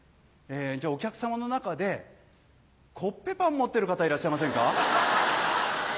じゃあお客さまの中でコッペパン持ってる方いらっしゃいませんか？